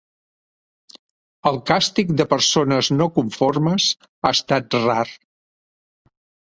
El càstig de persones no conformes ha estat rar.